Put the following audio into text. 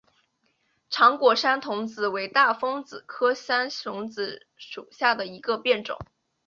长果山桐子为大风子科山桐子属下的一个变种。